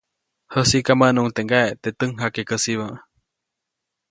Jäsiʼka, mäʼnuʼuŋ teʼ ŋgaʼe teʼ täjkjakekäsibä.